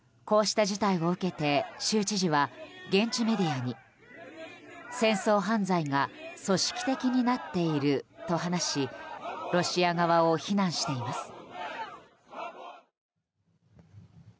こうした事態を受けて、州知事は現地メディアに戦争犯罪が組織的になっていると話しロシア側を非難しています。